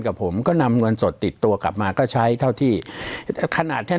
กับผมก็นำเงินสดติดตัวกลับมาก็ใช้เท่าที่ขนาดแค่